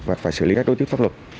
và phải xử lý các đối tượng pháp luật